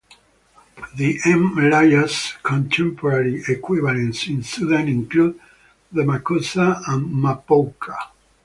The M'alayah's contemporary equivalents in Sudan include the Makossa and Mapouka.